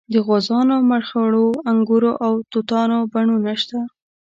د غوزانو مرخڼو انګورو او توتانو بڼونه شته.